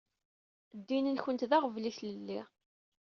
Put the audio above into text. Ddin-nkent d aɣbel i tlelli.